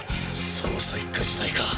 捜査一課時代か。